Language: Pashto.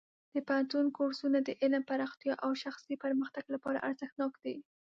د پوهنتون کورسونه د علم پراختیا او شخصي پرمختګ لپاره ارزښتناک دي.